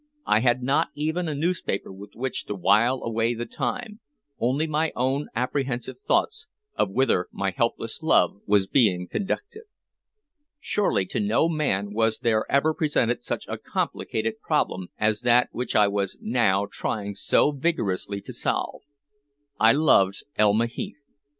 I had not even a newspaper with which to while away the time, only my own apprehensive thoughts of whither my helpless love was being conducted. Surely to no man was there ever presented such a complicated problem as that which I was now trying so vigorously to solve. I loved Elma Heath.